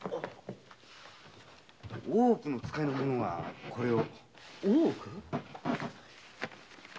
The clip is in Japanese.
大奥の使いの者がこれを。